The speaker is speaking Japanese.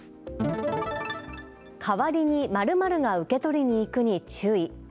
代わりに○○が受け取りに行くに注意。